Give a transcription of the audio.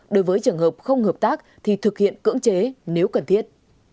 đối với trường hợp không hợp tác thì thực hiện cưỡng chế nếu cần thiết